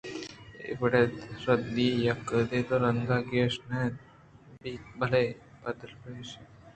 اے وڑیں ردی یک ءُدو رنداں گیش نہ بنت بلئے پہ دلپدری کہ ایش انوں بوتگ